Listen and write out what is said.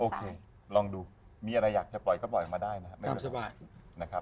ลองดูมีอะไรอยากจะปล่อยก็ปล่อยออกมาได้นะครับ